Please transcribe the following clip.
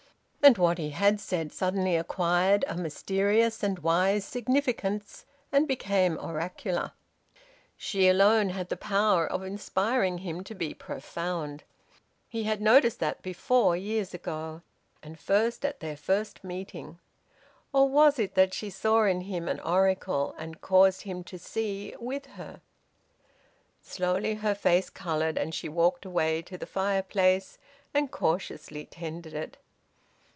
And what he had said suddenly acquired a mysterious and wise significance and became oracular. She alone had the power of inspiring him to be profound. He had noticed that before, years ago, and first at their first meeting. Or was it that she saw in him an oracle, and caused him to see with her? Slowly her face coloured, and she walked away to the fireplace, and cautiously tended it.